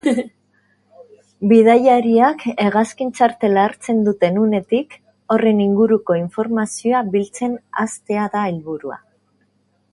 Bidaiariak hegazkin-txartela hartzen duten unetik, horren inguruko informazioa biltzen hastea da helburua.